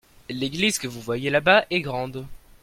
L'église que vous voyez là-bas est grande.